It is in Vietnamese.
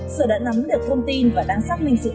sở đã nắm được thông tin và đáng xác minh sự kiện